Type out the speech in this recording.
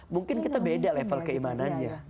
mungkin kita beda level keimanannya